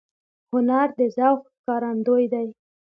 هنر د ذوق ښکارندوی دی